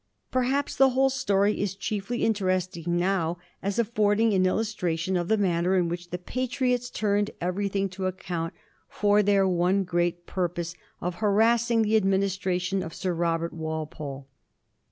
Perhaps the whole story is chiefly interesting now as affording an illustration of the manner in which the Patriots turned everything to account for their one great purpose of harassing the administration of Sir Robert Walpole.